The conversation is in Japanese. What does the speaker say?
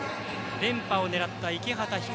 連覇を狙った池畠旭佳